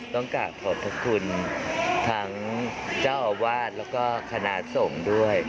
ต้องกลับขอบพระคุณทั้งเจ้าอาวาสแล้วก็คณะสงฆ์ด้วย